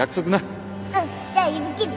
うんじゃ指切り